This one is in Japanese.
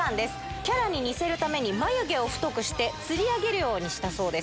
キャラに似せるために、眉毛を太くして、つり上げるようにしたそうです。